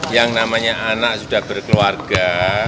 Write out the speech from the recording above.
yang namanya anak sudah berkeluarga